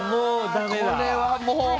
これはもう。